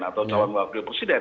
atau calon wakil presiden